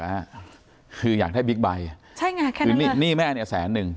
นะฮะคืออยากได้บิ๊กใบใช่ไงแค่นั้นนี่แม่เนี้ยแสนหนึ่ง